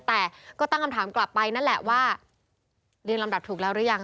แต่ก็ตั้งคำถามกลับไปนั่นแหละว่าเรียนลำดับถูกแล้วหรือยัง